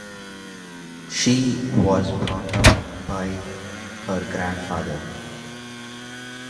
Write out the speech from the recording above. She was brought up by her grandfather.